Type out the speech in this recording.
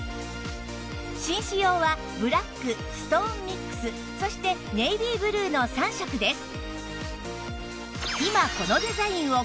紳士用はブラックストーンミックスそしてネイビーブルーの３色です